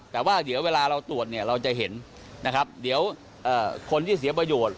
แต่ว่าเดี๋ยวเวลาเราตรวจเนี่ยเราจะเห็นนะครับเดี๋ยวคนที่เสียประโยชน์